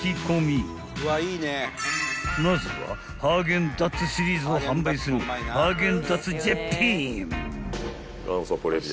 ［まずはハーゲンダッツシリーズを販売するハーゲンダッツジャパン］